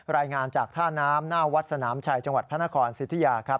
รายงานจากท่าน้ำหน้าวัดสนามชัยจังหวัดพระนครสิทธิยาครับ